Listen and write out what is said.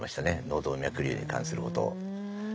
脳動脈瘤に関することを。